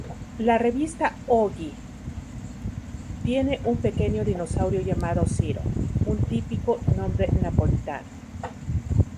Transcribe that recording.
La revista "Oggi" tiene un pequeño dinosaurio llamado "Ciro", un típico nombre napolitano.